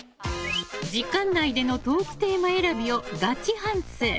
時間内でのトークテーマ選びをガチ反省。